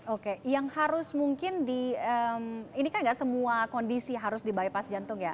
oke yang harus mungkin di ini kan nggak semua kondisi harus di bypass jantung ya